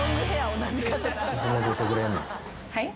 はい？